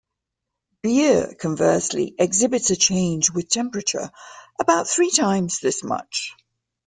Beer, conversely, exhibits a change with temperature about three times this much.